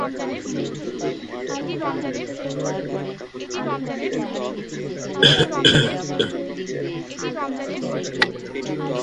আপনার আপকামিং সন্তানের জন্য একটা ছোট উপহার।